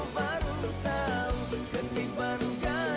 terima kasih atin